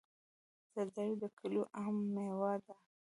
زردالو د کلیو عامه مېوه ده.